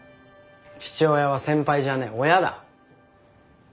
父親は先輩じゃねえ親だ。